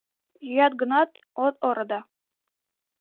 Йӱат гынат, от оро да